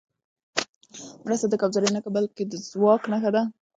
مرسته د کمزورۍ نه، بلکې د ځواک نښه ده.